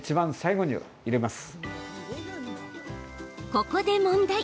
ここで問題。